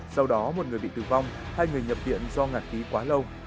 sau đó một người bị tử vong hai người nhập viện do ngạt khí quá lâu